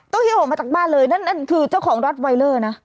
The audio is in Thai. ต้องหิ้วออกมาจากบ้านเลยนั่นนั่นคือเจ้าของรอสไวเลอร์น่ะ